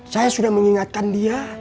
saya sudah mengingatkan dia